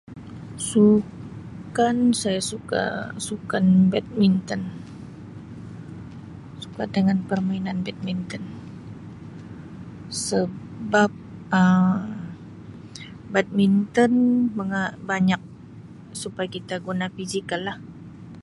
Sukan saya suka sukan badminton suka dengan permainan badminton sebab Um badminton menga-banyak supaya kita guna pizikal lah.